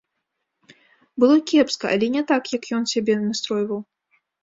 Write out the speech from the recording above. Было кепска, але не так, як ён сябе настройваў.